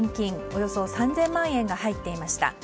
およそ３０００万円が入っていました。